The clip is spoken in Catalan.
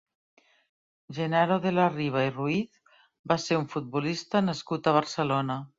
Genaro de la Riva i Ruiz va ser un futbolista nascut a Barcelona.